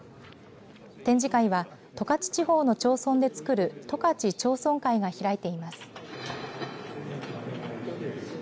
展示会は十勝地方の町村でつくる十勝町村会が開いています。